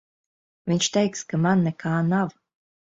Viņš teiks, ka man nekā nav.